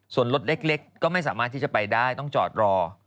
ส่วนรถเล็กก็ไม่สามารถที่จะไปได้ต้องจอดรอ